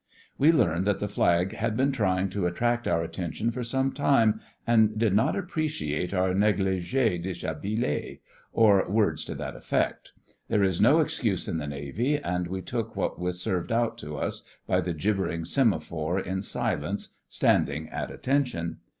We learned that the Flag had been trying to attract our attention for some time, and did not appreciate our négligé déshabillé, or words to that effect. There is no excuse in the Navy, and we took what was served out to us by the gibbering semaphore in silence, standing at attention.